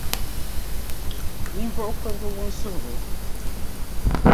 Ninvuɣ’ kurigu Wunsuhigu.